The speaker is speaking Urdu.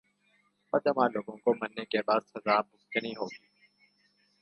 بداعمال لوگوں کو مرنے کے بعد سزا بھگتنی ہوگی